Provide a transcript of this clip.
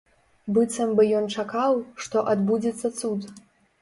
Быццам бы ён чакаў, што адбудзецца цуд.